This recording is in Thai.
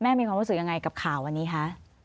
มีความรู้สึกยังไงกับข่าววันนี้คะ